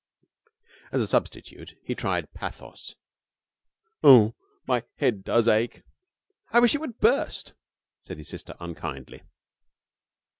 As a substitute he tried pathos. 'Oo oo, my head does ache!' 'I wish it would burst,' said his sister, unkindly.